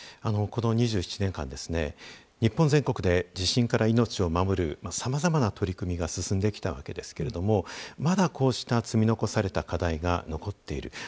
２７年間、日本全国で地震から命を守るさまざまな取り組みが進んできたわけですけれどもまだ、こうした積み残された課題が残っている。